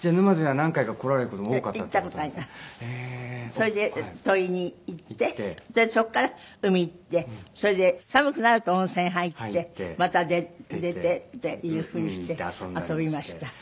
それで土肥に行ってそこから海行ってそれで寒くなると温泉に入ってまた出てっていうふうにして遊びました。